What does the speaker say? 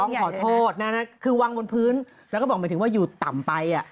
โอ้โฮหรืออย่างไรนะคือวางบนพื้นแล้วก็บอกเหมือนถึงว่าหยุดต่ำไป